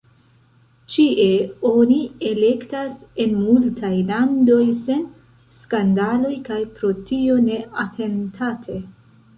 Ĉie oni elektas, en multaj landoj sen skandaloj kaj pro tio ne atentate.